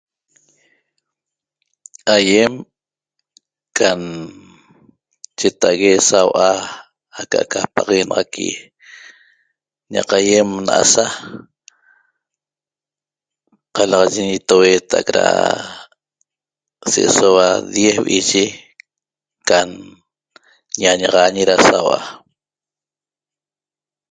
Aiem cam cheta'ague saua'a aca'aca paxaguenaxaqui ñaq aiem na'asa qalaxaye ñitoueetac ra se'esoua diez vi'iye can ñañaxañi ra saua'a